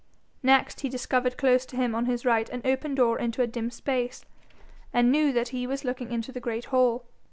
Next he discovered close to him on his right an open door into a dim space, and knew that he was looking into the great hall.